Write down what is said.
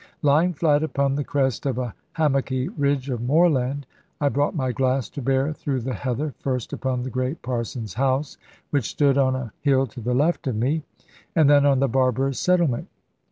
Lying flat upon the crest of a hummocky ridge of moorland, I brought my glass to bear through the heather first upon the great Parson's house, which stood on a hill to the left of me, and then on the barbarous settlement.